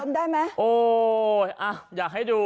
ล้มได้ไหมเอออยากให้ดู